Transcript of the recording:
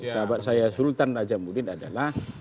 sahabat saya sultan najamuddin adalah